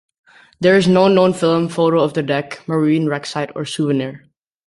There is no known film, photo of the deck, marine wreck site, or souvenir.